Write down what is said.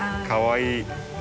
かわいい。